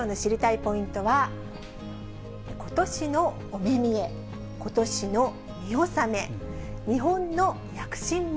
ポイントは、ことしのお目見え、ことしの見納め、日本の躍進も？